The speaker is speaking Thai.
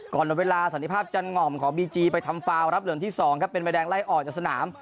หมดเวลาสันติภาพจันหง่อมของบีจีไปทำฟาวรับเหลืองที่๒ครับเป็นใบแดงไล่ออกจากสนาม